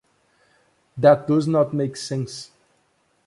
That doesn't make sense.